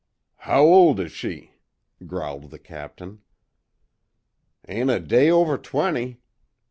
"How old is she?" growled the Captain. "Ain't a day over twenty.